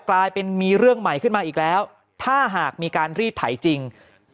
กลายเป็นมีเรื่องใหม่ขึ้นมาอีกแล้วถ้าหากมีการรีดไถจริง